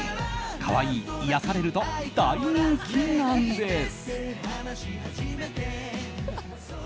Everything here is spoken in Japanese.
可愛い、癒やされると大人気なんです。